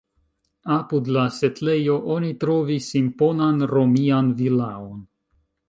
Apud la setlejo oni trovis imponan romian vilaon.